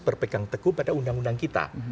berpegang teguh pada undang undang kita